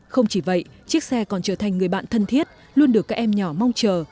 không chỉ vậy chiếc xe còn trở thành người bạn thân thiết luôn được các em nhỏ mong chờ